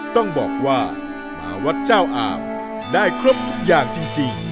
ต้องบอกว่ามาวัดเจ้าอามได้ครบทุกอย่างจริง